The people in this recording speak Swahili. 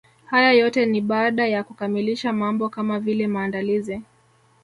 Haya yote ni baada ya kukamilisha mambo kama vile maandalizi